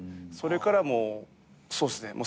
それからそうっすね